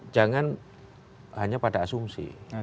jangan hanya pada asumsi